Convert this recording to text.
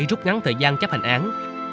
rút ngắn thời gian chấp hành án